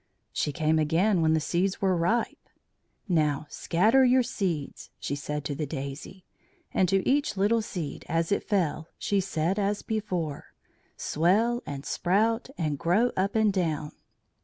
She came again when the seeds were ripe. "Now scatter your seeds," she said to the daisy, and to each little seed as it fell she said as before: "Swell and sprout and grow up and down."